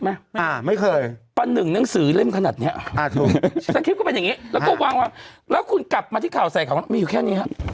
อะไรบ้างนะครับแค่นี้พี่หวยเขาถามกันบ้าง